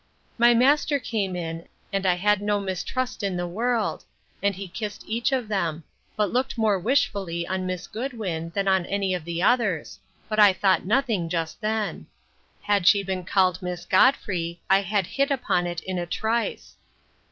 My master came in, and I had no mistrust in the world; and he kissed each of them; but looked more wishfully on Miss Goodwin, than on any of the others; but I thought nothing just then: Had she been called Miss Godfrey, I had hit upon it in a trice.